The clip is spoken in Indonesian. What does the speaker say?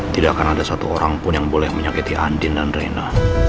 tidak akan ada satu orang pun yang boleh menyakiti andin dan rena